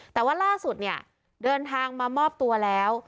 แต่ว่าล่าสุดเนี่ยเดินทางมามอบตัวแล้ว